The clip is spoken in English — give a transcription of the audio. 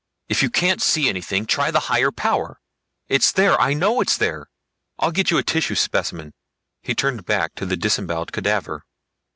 "If you can't see anything try the high power! It's there I know it's there! I'll get you a tissue specimen." He turned back to the disemboweled cadaver.